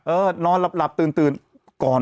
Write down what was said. เออนอนหลับตื่น